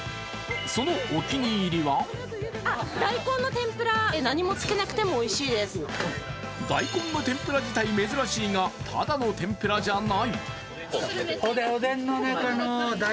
そのお気に入りは大根の天ぷら自体珍しいが、ただの天ぷらじゃない。